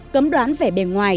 cấm đoán về bề ngoài